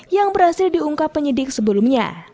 yang berhasil diungkapkan